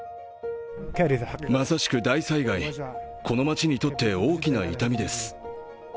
まさしく大災害、この街にとって大きな痛みです。